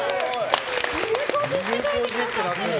いぬこじって書いてくださってる。